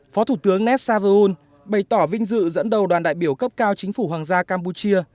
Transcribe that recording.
phó thủ tướng nét saverul bày tỏ vinh dự dẫn đầu đoàn đại biểu cấp cao chính phủ hoàng gia campuchia